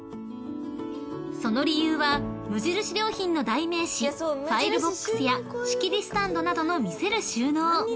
［その理由は無印良品の代名詞ファイルボックスや仕切りスタンドなどの魅せる収納］